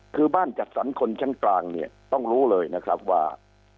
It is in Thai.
คือบ้านจัดสรรคนชั้นกลางเนี่ยต้องรู้เลยนะครับว่า